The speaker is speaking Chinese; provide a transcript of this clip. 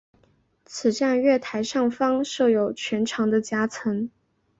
此站月台上方设有全长的夹层。